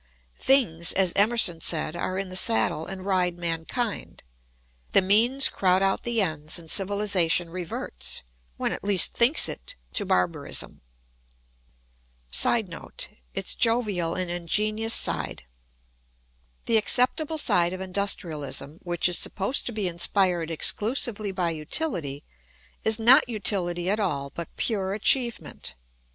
Things, as Emerson said, are in the saddle and ride mankind. The means crowd out the ends and civilisation reverts, when it least thinks it, to barbarism. [Sidenote: Its jovial and ingenious side.] The acceptable side of industrialism, which is supposed to be inspired exclusively by utility, is not utility at all but pure achievement.